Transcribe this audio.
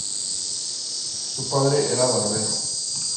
Su padre era barbero.